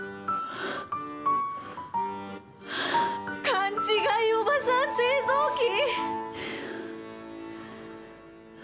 勘違いおばさん製造機！